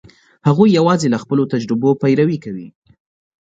هغوی یواځې له خپلو تجربو پیروي کوي.